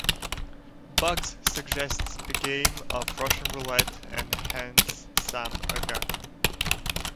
Bugs suggests a game of Russian Roulette and hands Sam a gun.